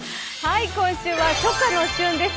今週は初夏の旬です。